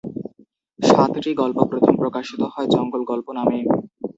সাতটি গল্প প্রথম প্রকাশিত হয় জঙ্গল গল্প নামে।